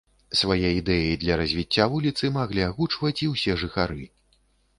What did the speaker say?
Свае ідэі для развіцця вуліцы маглі агучваць і ўсе жыхары.